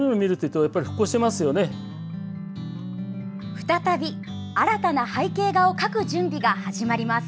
再び、新たな背景画を描く準備が始まります。